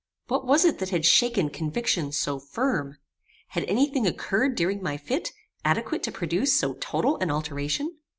What was it that had shaken conviction so firm? Had any thing occurred during my fit, adequate to produce so total an alteration?